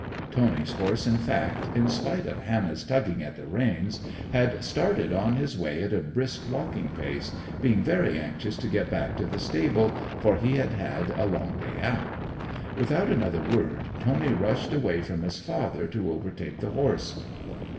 'Tony's horse, in fact, in spite of Hannah's tugging at the reins, had started on his way at a brisk walking pace, being very anxious to get back to the stable, for he had had a long day out. Without another word Tony rushed away from his father to overtake the horse.